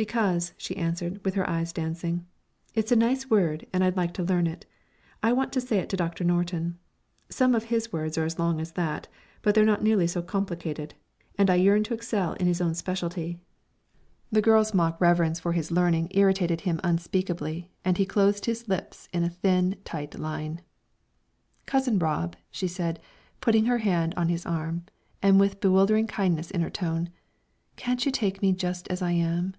"Because," she answered, with her eyes dancing, "it's a nice word and I'd like to learn it. I want to say it to Doctor Norton. Some of his words are as long at that, but they're not nearly so complicated, and I yearn to excel in his own specialty." The girl's mock reverence for his learning irritated him unspeakably, and he closed his lips in a thin, tight line. "Cousin Rob," she said, putting her hand on his arm, and with bewildering kindness in her tone, "can't you take me just as I am?"